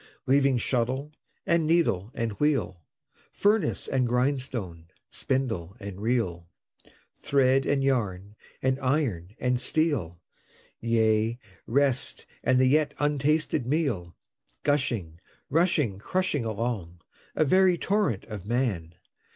Leaving shuttle, and needle, and wheel, Furnace, and grindstone, spindle, and reel, Thread, and yarn, and iron, and steel Yea, rest and the yet untasted meal Gushing, rushing, crushing along, A very torrent of Man!